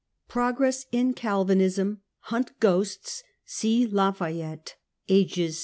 PKOGEESS IN CALVINISM — HUNT GHOSTS — SEE LA FAYETTE, —Age, 6 9.